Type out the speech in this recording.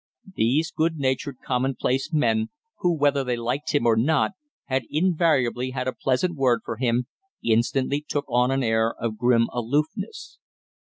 These good natured commonplace men who, whether they liked him or not, had invariably had a pleasant word for him, instantly took on an air of grim aloofness.